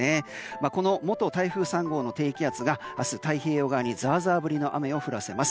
この元台風３号の低気圧が明日、太平洋側にザーザー降りの雨を降らせます。